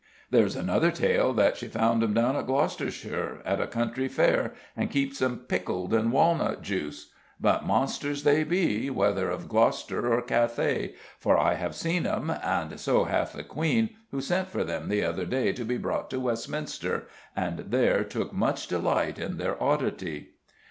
There's another tale that she found 'em down in Gloucestershire, at a country fair, and keeps 'em pickled in walnut juice. But monsters they be, whether of Gloucester or Cathay, for I have seen 'em; and so hath the Queen, who sent for them the other day to be brought to Westminster, and there took much delight in their oddity."